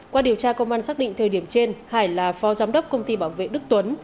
qua điều tra công an xác định thời điểm trên hải là phó giám đốc công ty bảo vệ đức tuấn